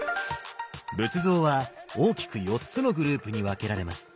仏像は大きく４つのグループに分けられます。